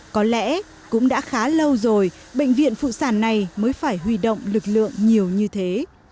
có lẽ cũng đã khá lâu rồi bệnh viện phụ sản này mới phải huy động lực lượng nhiều như thế